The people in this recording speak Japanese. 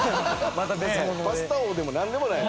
パスタ王でもなんでもない。